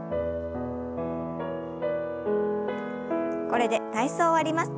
これで体操を終わります。